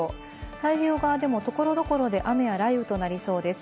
太平洋側でも所々で雨や雷雨となりそうです。